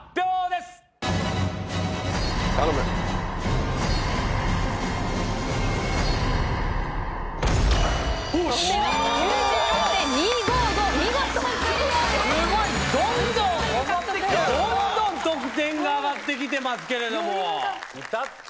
すごいどんどんどんどん得点が上がって来てますけれども。